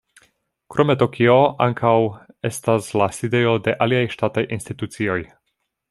Krome Tokio ankaŭ estas la sidejo de aliaj ŝtataj institucioj.